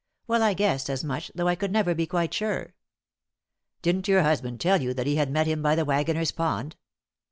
"Well, I guessed as much, though I could never be quite sure." "Didn't your husband tell you that he had met him by the Waggoner's Pond?"